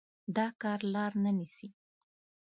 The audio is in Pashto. دا کار لار نه نيسي.